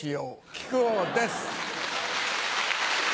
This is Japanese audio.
木久扇です。